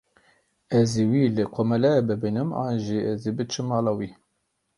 Ez ê wî li komeleyê bibînim an jî ez ê biçim mala wî.